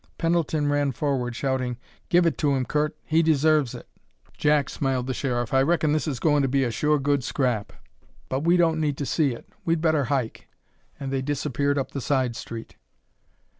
Pendleton ran forward, shouting, "Give it to him, Curt! He deserves it!" "Jack," smiled the sheriff, "I reckon this is goin' to be a sure good scrap, but we don't need to see it. We'd better hike." And they disappeared up the side street.